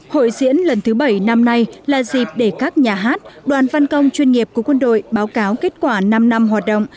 hội diễn lần thứ bảy năm nay là dịp để các nhà hát đoàn văn công chuyên nghiệp của quân đội báo cáo kết quả năm năm hoạt động